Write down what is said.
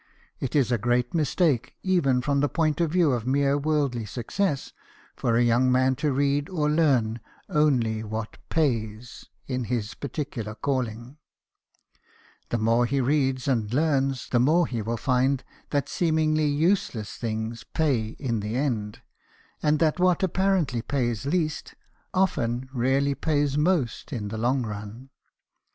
It is a great mistake, even from the point of view of mere worldly success, for a young man to read or learn only what " pays " in his particular calling ; the more he reads and learns, the more will he find that seemingly useless things "pay" in the end, and that what apparently pays least, often really pays most in the long run.